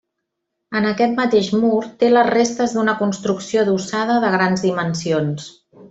En aquest mateix mur té les restes d'una construcció adossada de grans dimensions.